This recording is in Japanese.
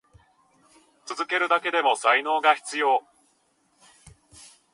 続けるだけでも才能が必要。